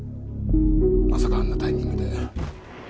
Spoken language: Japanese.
まさかあんなタイミングで。